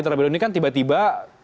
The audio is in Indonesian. terlebih dahulu ini kan tiba tiba